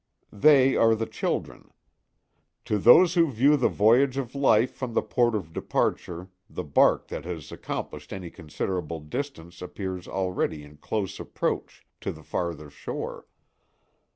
They are the children. To those who view the voyage of life from the port of departure the bark that has accomplished any considerable distance appears already in close approach to the farther shore.